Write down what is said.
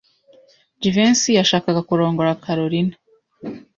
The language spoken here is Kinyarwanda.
Jivency yashakaga kurongora Kalorina.